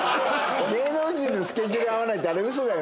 芸能人のスケジュール合わないってあれウソだよな。